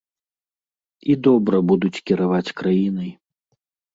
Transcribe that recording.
І добра будуць кіраваць краінай.